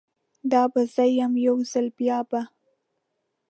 دا به زه یم، یو ځل بیا به